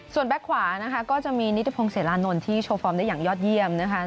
ส่วนแบ็คขวานะคะก็จะมีนิติพงศิลานนท์ที่โชว์ฟอร์มได้อย่างยอดเยี่ยมนะคะ